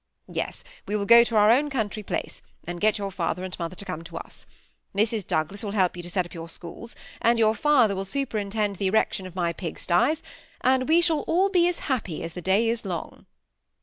Yes, we will go to our own country place, and get your father and mother to come to us. Mrs. Douglas will help yon to set up your schools, and your father will superintend the erec tion of my pigsties, and we shall all be as happy as the day is long."